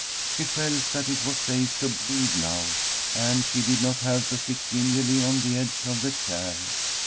She felt that it was safe to breathe now, and she did not have to sit gingerly on the edge of the chair.